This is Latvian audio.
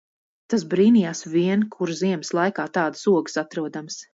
Tas brīnījās vien, kur ziemas laikā tādas ogas atrodamas.